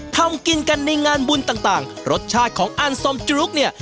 ทำกินกันในงานบุญต่างรสชาติของอันสมจรุกเนี่ย